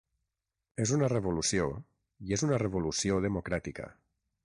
És una revolució i és una revolució democràtica.